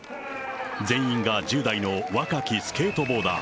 全員が１０代の若きスケートボーダー。